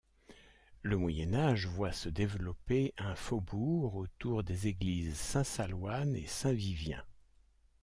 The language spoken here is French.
Le Moyen Âge voit se développer un faubourg autour des églises Saint-Saloine et Saint-Vivien.